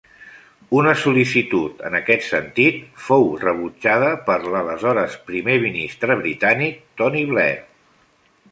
Una sol·licitud en aquest sentit fou rebutjada per l'aleshores Primer Ministre britànic, Tony Blair.